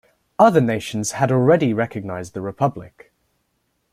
Other nations had already recognized the Republic.